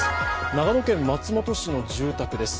長野県松本市の住宅です。